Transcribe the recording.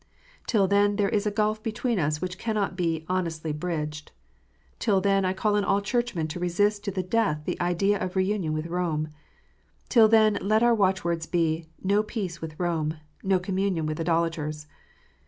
Till then there is a gulf between us which cannot be honestly bridged. Till then I call on all Churchmen to resist to the death this idea of reunion with Rome. Till then let our watchwords be, " No peace with Rome ! No communion with idolaters